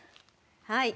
はい。